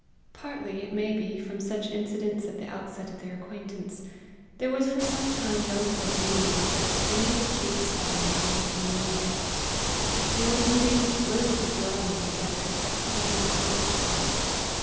Partly, it may be, from such incidents at the outset of their acquaintance, there was for some time no further meeting betwixt any of the chief's family and that of the new laird. There was indeed little to draw them together except common isolation.